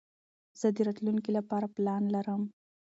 زه د راتلونکي له پاره پلان لرم.